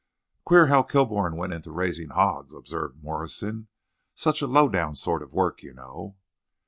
"Queer how Kilbourne went into raising hogs," observed Morrison. "Such a low down sort of work, you know."